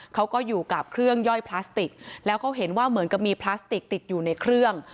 เขาก็อยู่กับเครื่องย่อยพลาสติกแล้วเขาเห็นว่าเหมือนกับมีพลาสติกติดอยู่ในเครื่อง